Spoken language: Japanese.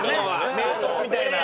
名湯みたいな。